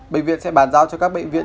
bệnh viện sẽ bàn giao cho các bệnh viện